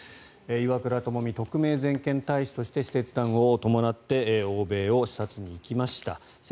岩倉具視、特命全権大使として使節団を伴って欧米を視察に行きました。